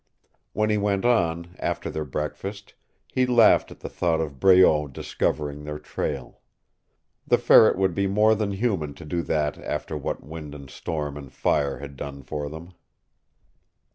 When he went on, after their breakfast, he laughed at the thought of Breault discovering their trail. The Ferret would be more than human to do that after what wind and storm and fire had done for them.